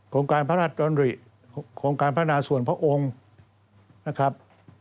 การพระราชดำริของการพัฒนาส่วนพระองค์นะครับ